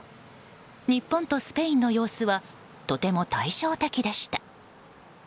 日本とスペインの様子はとても対照的でした。